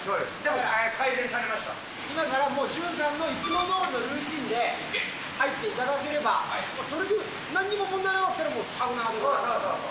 今からもう、潤さんのいつもどおりのルーティンで入っていただければ、もうそれで、なんにも問題なかったら、もうサウナーです。